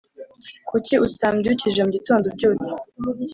Kuki utambyukije mugitondo ubyutse